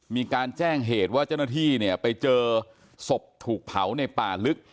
มีการแจ้งเหตุว่าเจ้าหน้าที่เนี่ยไปเจอศพถูกเผาในป่าลึก